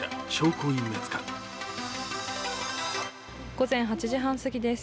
午前８時半すぎです。